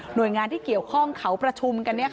โดยงานที่เกี่ยวข้องเขาประชุมกัน